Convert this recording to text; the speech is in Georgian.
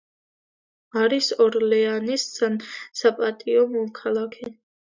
არის ორლეანის საპატიო მოქალაქე.